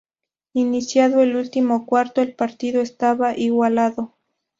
Iniciado el último cuarto, el partido estaba igualado.